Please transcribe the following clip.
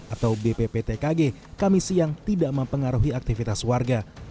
atau bpptkg kami siang tidak mempengaruhi aktivitas warga